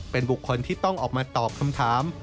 เป็นบุคคลที่ต้องออกมาตอบคำถาม